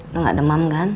lo ga demam kan